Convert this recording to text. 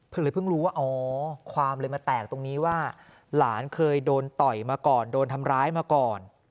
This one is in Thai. เลยเพิ่งรู้ว่าอ๋อความเลยมาแตกตรงนี้ว่าหลานเคยโดนต่อยมาก่อนโดนทำร้ายมาก่อน